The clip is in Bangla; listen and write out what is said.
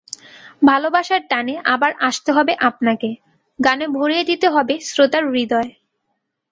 ভালোবাসার টানে আবার আসতে হবে আপনাকে, গানে ভরিয়ে দিতে হবে শ্রোতার হৃদয়।